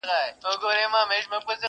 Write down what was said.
كوم لاسونه به مرۍ د قاتل نيسي.!